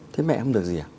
thế mẹ em được gì ạ